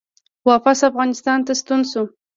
واپس افغانستان ته ستون شو